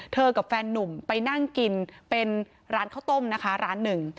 กับแฟนนุ่มไปนั่งกินเป็นร้านข้าวต้มนะคะร้านหนึ่ง